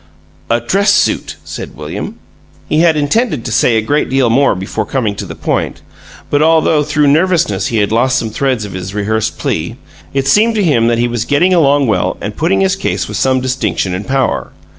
"A dress suit!" said William. He had intended to say a great deal more before coming to the point, but, although through nervousness he had lost some threads of his rehearsed plea, it seemed to him that he was getting along well and putting his case with some distinction and power.